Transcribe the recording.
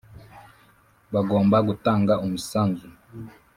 Bagomba gutanga umusanzu .